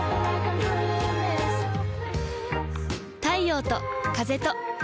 太陽と風と